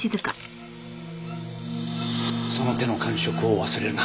その手の感触を忘れるな。